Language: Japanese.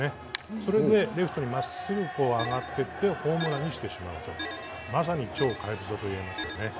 それでレフトに真っすぐ上がっていってホームランにしてしまうとまさに超怪物ですね。